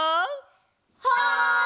はい！